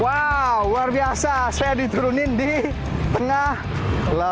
wow luar biasa saya diturunin di tengah lampu merah